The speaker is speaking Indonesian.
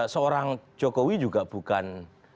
seorang jokowi juga bukan